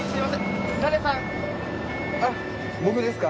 あっ僕ですか。